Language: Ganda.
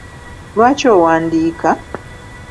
Lwaki owandiika?